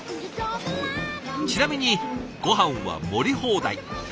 ちなみにごはんは盛り放題。